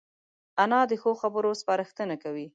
انا د ښو خبرو سپارښتنه کوي